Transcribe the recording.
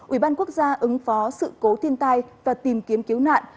ủy ban quốc gia ứng phó sự cố thiên tai và tìm kiếm cứu nạn